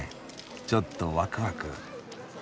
ちょっとワクワク。